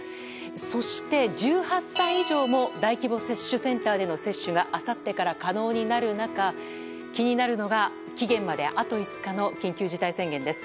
そして、１８歳以上も大規模接種センターでの接種が、あさってから可能になる中気になるのが期限まであと５日の緊急事態宣言です。